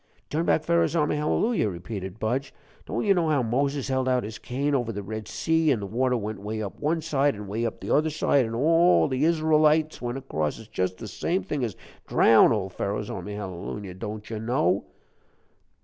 "TurnbackPharo'sarmyhallelujah," repeated Budge. "Don't you know how Moses held out his cane over the Red Sea, an' the water went way up one side, an' way up the other side, and all the Isrulites went across? It's just the same thing as _drown_oldPharo'sarmyhallelujah don't you know?"